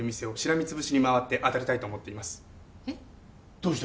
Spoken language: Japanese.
どうした？